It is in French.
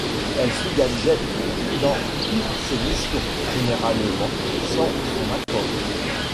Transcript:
Elle suit Gadget dans toutes ses missions, généralement sans son accord.